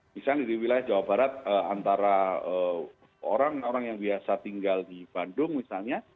misalnya di wilayah jawa barat antara orang orang yang biasa tinggal di bandung misalnya